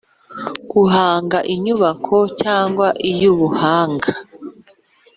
guhanga inyubako cyangwa iy ubuhanga